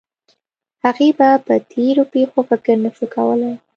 هغې به په تېرو پېښو فکر نه شو کولی